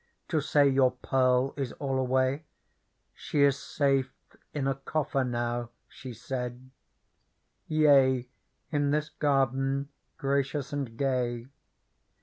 To say your Pearl is all away :^ She is safe in a coffer now," she said, " Yea, in this garden gracious and gay.